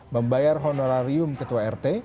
membayar honorarium ketua rt